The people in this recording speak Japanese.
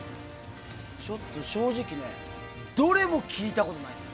ちょっと正直どれも聞いたことないです。